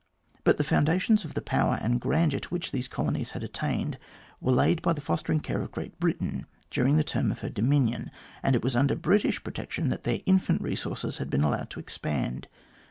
But the foundations of the power and grandeur to which these colonies had attained, were laid by the fostering care of Great Britain during the term of her dominion, and it was under British protection that their infant resources had been allowed to expand.